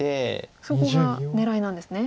そこが狙いなんですね。